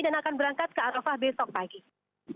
dan akan berangkat ke arafah besok pagi